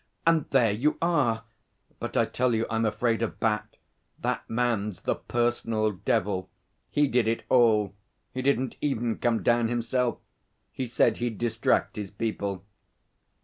And there you are! But I tell you I'm afraid of Bat. That man's the Personal Devil. He did it all. He didn't even come down himself. He said he'd distract his people.'